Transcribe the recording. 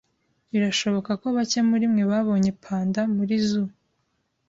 Birashoboka ko bake muri mwe babonye panda muri zoo.